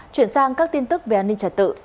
chuyển sang các tin tức về an ninh trật tự